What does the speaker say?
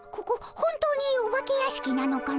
本当にお化け屋敷なのかの？